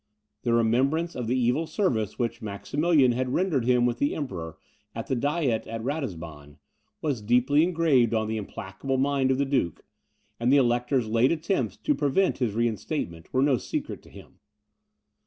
The remembrance of the evil service which Maximilian had rendered him with the Emperor, at the Diet at Ratisbon, was deeply engraved on the implacable mind of the duke, and the Elector's late attempts to prevent his reinstatement, were no secret to him.